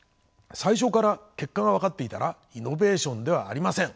最初から結果が分かっていたらイノベーションではありません。